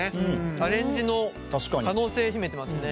アレンジの可能性秘めてますね。